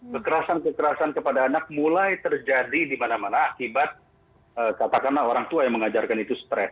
kekerasan kekerasan kepada anak mulai terjadi di mana mana akibat katakanlah orang tua yang mengajarkan itu stres